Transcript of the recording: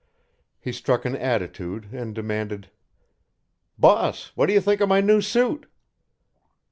He struck an attitude and demanded: "Boss, what do you think of my new suit?"